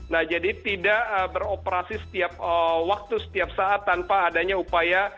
nah jadi tidak beroperasi setiap waktu setiap saat tanpa adanya upaya